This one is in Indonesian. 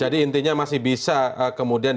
jadi intinya masih bisa kemudian